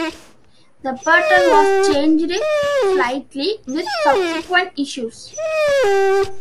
The pattern was changed slightly with subsequent issues.